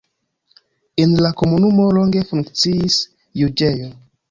En la komunumo longe funkciis juĝejo.